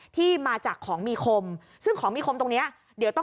ที่มาจากของมีคมซึ่งของมีคมตรงเนี้ยเดี๋ยวต้อง